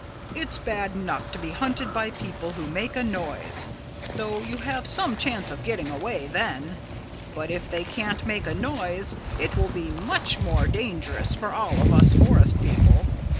"It's bad enough to be hunted by people who make a noise, though you have some chance of getting away then. But if they can't make a noise it will be much more dangerous for all of us forest people."